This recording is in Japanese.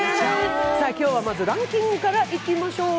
今日はまずランキングからいきましょう。